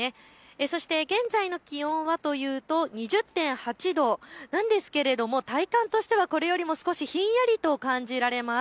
そして現在の気温は２０．８度、なんですが体感としてはこれよりも少しひんやりと感じられます。